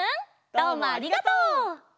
どうもありがとう！